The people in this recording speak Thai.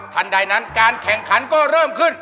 ทันใดนั้นการแข่งขันก็เริ่มขึ้น